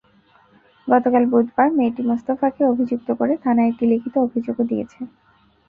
গতকাল বুধবার মেয়েটি মোস্তফাকে অভিযুক্ত করে থানায় একটি লিখিত অভিযোগও দিয়েছে।